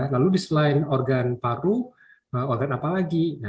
lalu di selain organ paru organ apa lagi